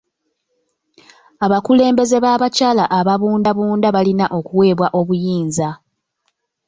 Abakulembeze b'abakyala ababundabunda balina okuweebwa obuyinza.